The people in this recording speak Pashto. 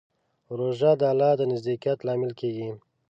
روژه د الله د نزدېکت لامل کېږي.